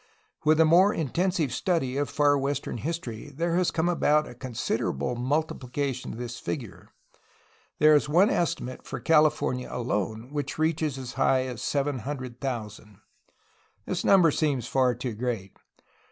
With the more intensive study of far western history there has come about a considerable multipHcation of this figure. There is one estimate for California alone which reaches as high as 700,000. This number seems far too great.